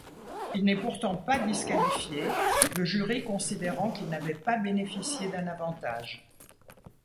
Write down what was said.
Il n'est pourtant pas disqualifié, le jury considérant qu'il n'avait pas bénéficié d'un avantage.